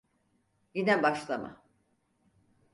Yine başlama!